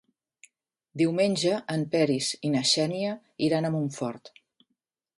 Diumenge en Peris i na Xènia iran a Montfort.